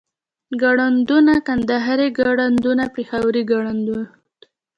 ګړدودونه کندهاري ګړدود پېښوري ګړدود